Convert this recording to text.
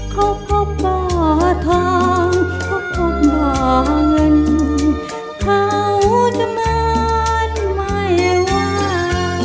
เขาพบบ่อทองเขาพบบ่อนเขาจะเหมือนไม่ว่า